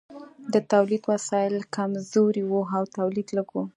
د تولید وسایل کمزوري وو او تولید لږ و.